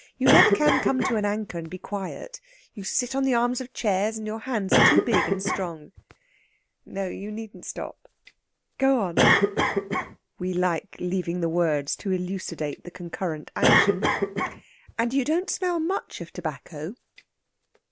You never can come to an anchor, and be quiet. You sit on the arms of chairs, and your hands are too big and strong. No; you needn't stop. Go on!" We like leaving the words to elucidate the concurrent action. "And you don't smell much of tobacco."